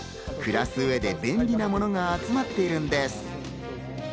暮らす上で便利なものが集まっているんです。